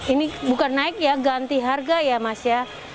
ini bukan naik ya ganti harga ya mas ya